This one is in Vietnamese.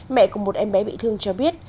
mẹ của một em bé bị thương cho biết